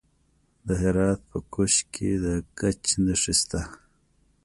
د هرات په کشک کې د ګچ نښې شته.